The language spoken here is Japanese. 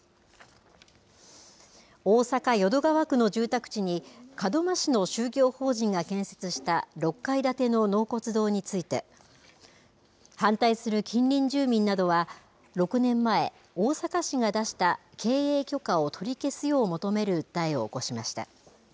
大阪・淀川区の住宅地に、門真市の宗教法人が建設した６階建ての納骨堂について、反対する近隣住民などは、６年前、大阪市が出した経営許可を取り消すよう求める訴えを起こしました。